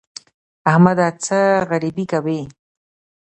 احمده! څه غريبي کوې؟